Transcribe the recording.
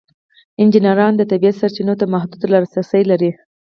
انجینران د طبیعت سرچینو ته محدود لاسرسی لري.